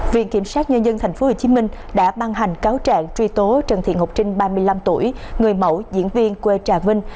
viện kiểm sát nhân dân tp hcm đã ban hành cáo trạng truy tố trần thị ngọc trinh ba mươi năm tuổi người mẫu diễn viên quê trà vinh